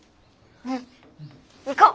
うん行こう。